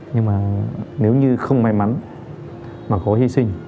nhưng mà nếu như không may mắn mà có hy sinh